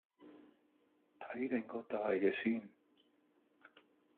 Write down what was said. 睇定個大概先